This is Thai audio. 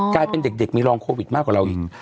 กลายเป็นเด็กมีรองโควิดมากกว่าเราอีก